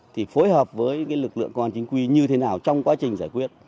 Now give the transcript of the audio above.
thì phối hợp với lực lượng công an chính quy như thế nào trong quá trình giải quyết